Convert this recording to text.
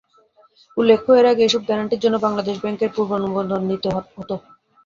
উল্লেখ্য, এর আগে এসব গ্যারান্টির জন্য বাংলাদেশ ব্যাংকের পূর্বানুমোদন নিতে হত।